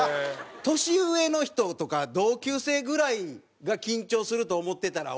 年上の人とか同級生ぐらいが緊張すると思ってたら大間違いよ。